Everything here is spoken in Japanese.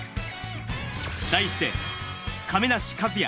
題して、亀梨和也